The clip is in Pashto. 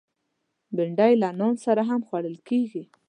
بېنډۍ له نان سره هم خوړل کېږي